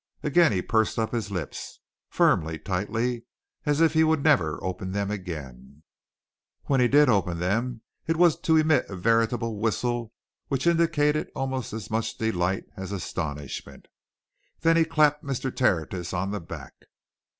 Again he pursed up his lips, firmly, tightly, as if he would never open them again; when he did open them it was to emit a veritable whistle which indicated almost as much delight as astonishment. Then he clapped Mr. Tertius on the back.